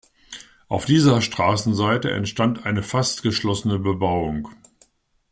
Auf dieser Straßenseite entstand eine fast geschlossene Bebauung.